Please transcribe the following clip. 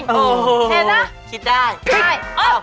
เห็นมั้ย